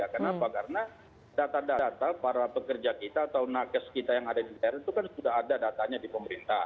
kenapa karena data data para pekerja kita atau nakes kita yang ada di daerah itu kan sudah ada datanya di pemerintah